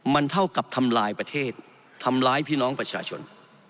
มันเท่ากับทำลายประเทศทำร้ายพี่น้องประชาชน